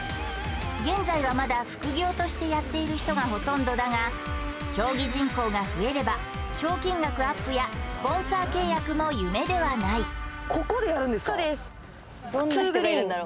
現在はまだ副業としてやっている人がほとんどだが競技人口が増えれば賞金額アップやスポンサー契約も夢ではないそうですあっ